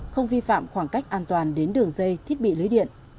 không vi phạm khoảng cách an toàn đến đường dây thiết bị lưới điện